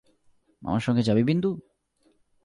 আমার সঙ্গে যাবি বিন্দু?